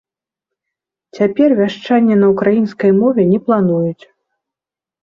Цяпер вяшчанне на ўкраінскай мове не плануюць.